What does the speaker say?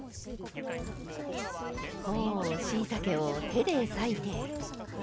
ほうしいたけを手で裂いて。